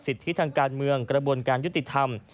ที่ทางการเมืองกระบวนการยุติธรรม